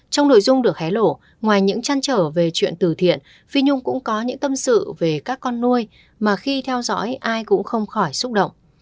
trong nội dung được hé lộ ngoài những trăn trở về chuyện từ thiện phi nhung cũng có những tâm sự về các con nuôi mà khi theo dõi ai cũng không khỏi xúc động